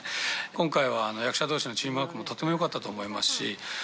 今回は役者同士のチームワークもとてもよかったと思いますし。